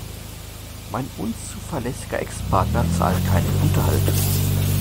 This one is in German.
Mein unzuverlässiger Ex-Partner zahlt keinen Unterhalt.